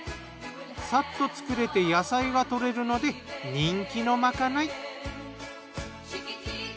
サッと作れて野菜が摂れるので人気のまかない。